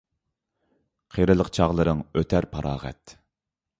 قېرىلىق چاغلىرىڭ ئۆتەر پاراغەت